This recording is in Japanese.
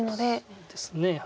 そうですね。